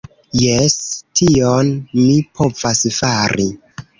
Jes, tion mi povas fari